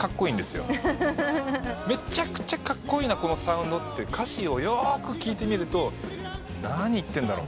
「めちゃくちゃカッコイイなこのサウンド」って歌詞をよく聴いてみると「何言ってんだろ？」